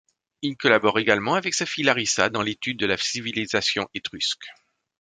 Il collabore également avec sa fille Larissa dans l'étude de la civilisation étrusque.